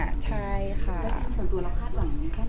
คุณตัวแล้วคาดหวังแค่ไหน